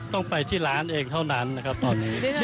ต้องไปที่ร้านเองเท่านั้นนะครับตอนนี้